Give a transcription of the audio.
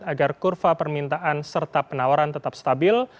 agar kurva permintaan serta penawaran tetap stabil